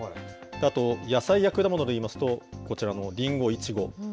あと、野菜や果物でいいますと、こちらのりんご、いちご。